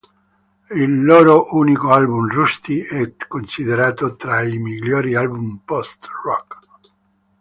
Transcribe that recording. Il loro unico album "Rusty" è considerato tra i migliori album post rock.